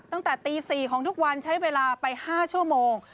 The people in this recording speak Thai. ตั้งแต่ตี๔ของทุกวันใช้เวลาไป๕ชั่วโมง